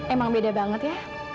emang beda banget ya